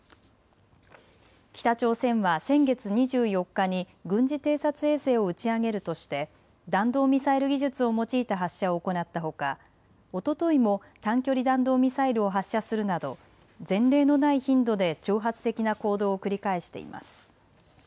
北朝鮮は先月２４日に軍事偵察衛星を打ち上げるとして弾道ミサイル技術を用いた発射を行ったほか、おとといも短距離弾道ミサイルを発射するなど前例のない頻度で挑発的な行動を繰り返しています。